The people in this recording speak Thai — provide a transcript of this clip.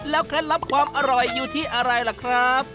เคล็ดลับความอร่อยอยู่ที่อะไรล่ะครับ